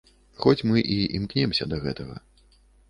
Хоць мы і імкнёмся да гэтага.